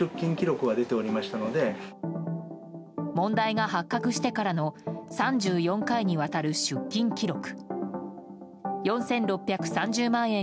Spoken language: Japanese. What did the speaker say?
問題が発覚してからの３４回にわたる出金記録。